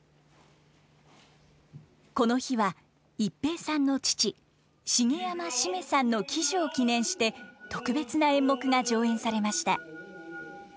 この日は逸平さんの父茂山七五三さんの喜寿を記念して特別な演目が上演されました。